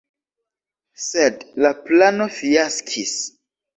Sed la plano fiaskis.